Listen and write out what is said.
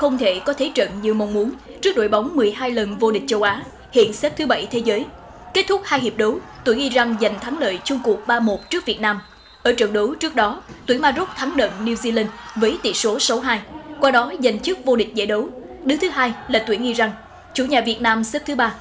nói dành trước vô địch giải đấu đứa thứ hai là tuyển iran chủ nhà việt nam xếp thứ ba